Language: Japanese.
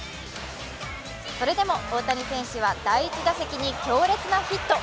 それでも大谷選手は第１打席に強烈なヒット。